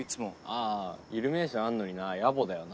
あぁイルミネーションあんのになやぼだよな。